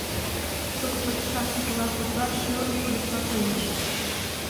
Шуко пачашан кӱполат коклаш шылын кодшыла коеш.